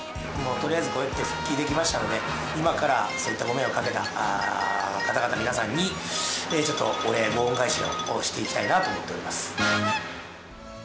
とりあえずこうやって復帰できましたので、今から、そういったご迷惑をかけた方々、皆さんに、ちょっとお礼、ご恩返しをしていきたいなと思っております。